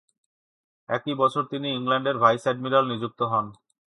একই বছর তিনি ইংল্যান্ডের ভাইস এডমিরাল নিযুক্ত হন।